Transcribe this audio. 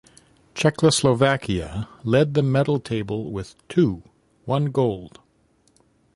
Czechoslovakia led the medal table with two, one gold.